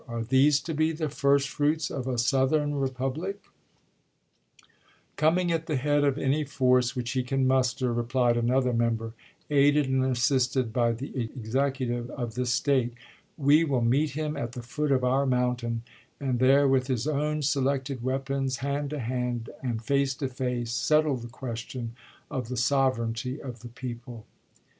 ... Are these to be the first fruits of a Southern Republic f "" Coming at the head of any force which he can muster," replied another mem ber, " aided and assisted by the Executive of this State, we will meet him at the foot of our moun tains, and there with his own selected weapons, hand to hand, and face to face, settle the ques tion of the sovereignty of the people."